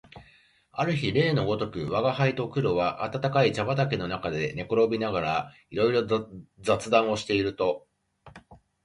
ある日例のごとく吾輩と黒は暖かい茶畠の中で寝転びながらいろいろ雑談をしていると、